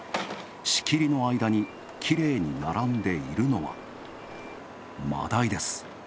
仕切りの間にきれいに並んでいるのは、マダイです。